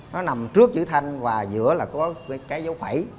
nó nằm trước chữ thanh và giữa là có cái dấu bẫy